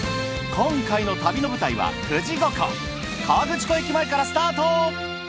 今回の旅の舞台は富士五湖河口湖駅前からスタート！